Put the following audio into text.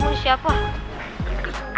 aku juga gak tau